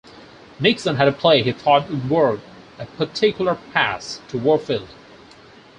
Nixon had a play he thought would work, a particular pass to Warfield.